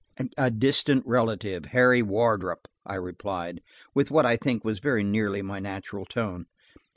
"A distant relative, Harry Wardrop," I replied, with what I think was very nearly my natural tone.